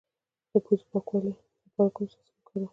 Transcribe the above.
د پوزې د پاکوالي لپاره کوم څاڅکي وکاروم؟